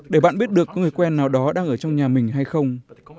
để bạn biết được có người quen nào đó đang ở trong nhà mình hay không